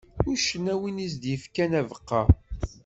Uccen am win i as-d-yefkan abeqqa.